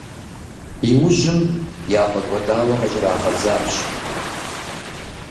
Иужьым яфӏэкӏуэдауэ къыщӏрагъэдзащ.